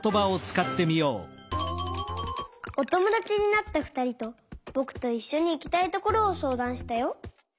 おともだちになったふたりとぼくといっしょにいきたいところをそうだんしたよ。